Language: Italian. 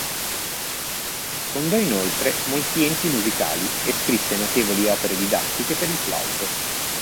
Fondò inoltre molti enti musicali e scrisse notevoli opere didattiche per il flauto.